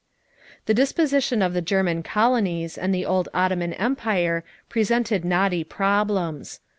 The disposition of the German colonies and the old Ottoman empire presented knotty problems.